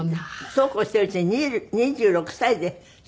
そうこうしているうちに２６歳で出産？